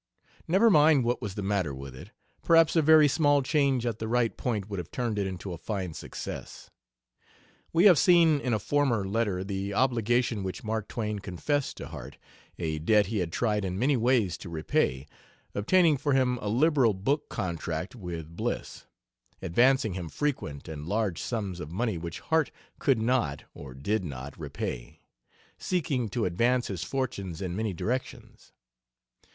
Never mind what was the matter with it; perhaps a very small change at the right point would have turned it into a fine success. We have seen in a former letter the obligation which Mark Twain confessed to Harte a debt he had tried in many ways to repay obtaining for him a liberal book contract with Bliss; advancing him frequent and large sums of money which Harte could not, or did not, repay; seeking to advance his fortunes in many directions.